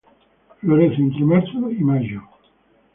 Florece entre marzo y mayo.